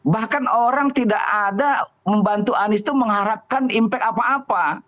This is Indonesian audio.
bahkan orang tidak ada membantu anies itu mengharapkan impact apa apa